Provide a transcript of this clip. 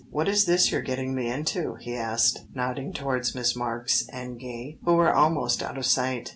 "What is this you're getting me into?" he asked, nodding towards Miss Marks and Gay, who were almost out of sight.